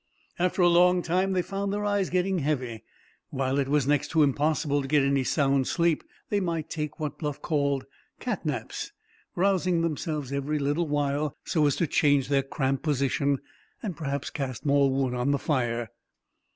After a long time they found their eyes getting heavy. While it was next to impossible to get any sound sleep, they might take what Bluff called "cat naps," rousing themselves every little while so as to change their cramped position and perhaps cast more wood on the fire.